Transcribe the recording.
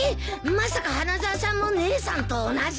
まさか花沢さんも姉さんと同じ？